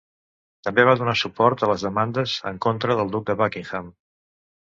També va donar suport a les demandes en contra del Duc de Buckingham.